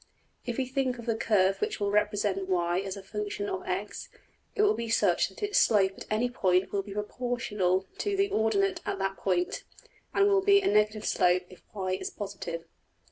If we think of the curve which will represent $y$ as a function of~$x$, it will be such that its slope at any point will be proportional to the ordinate at that point, and will be a negative slope if $y$~is positive.